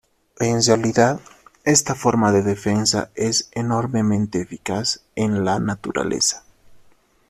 En realidad, esta forma de defensa es enormemente eficaz en la naturaleza.